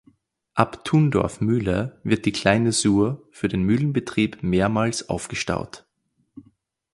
Ab Thundorf Mühle wird die Kleine Sur für den Mühlenbetrieb mehrmals aufgestaut.